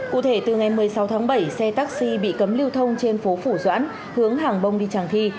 cụ thể từ ngày một mươi sáu tháng bảy xe taxi bị cấm lưu thông trên phố phủ doãn hướng hàng bông đi tràng thi